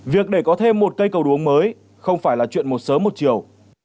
việc để có thêm một cây cầu đuống mới không phải là chuyện một sớm một chiều